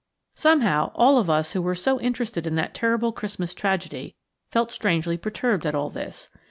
Somehow, all of us who were so interested in that terrible Christmas tragedy felt strangely perturbed at all this.